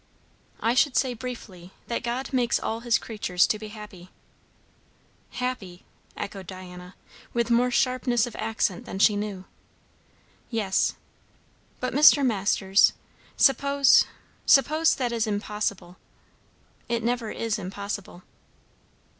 "I should say briefly, that God makes all His creatures to be happy." "Happy!" echoed Diana, with more sharpness of accent than she knew. "Yes." "But, Mr. Masters, suppose suppose that is impossible?" "It never is impossible."